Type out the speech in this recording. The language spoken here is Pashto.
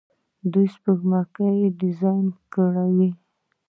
دوی سپوږمکۍ ډیزاین کوي.